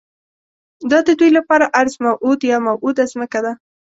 دا ددوی لپاره ارض موعود یا موعوده ځمکه ده.